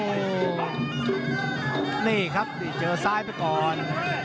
โอ้โหนี่ครับนี่เจอซ้ายไปก่อน